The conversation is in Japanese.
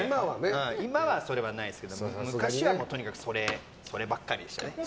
今はそれはないですけど昔はそればっかりでした。